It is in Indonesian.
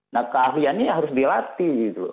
nah keahliannya harus dilatih gitu loh